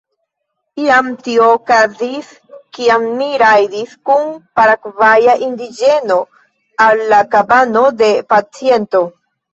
Iam tio okazis, kiam mi rajdis kun paragvaja indiĝeno al la kabano de paciento.